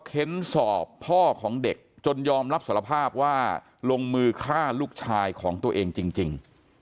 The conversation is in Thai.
เค้นสอบพ่อของเด็กจนยอมรับสารภาพว่าลงมือฆ่าลูกชายของตัวเองจริง